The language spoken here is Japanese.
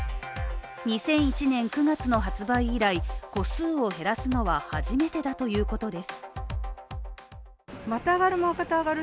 ２００１年９月の発売以来、個数を減らすのは初めてだということです。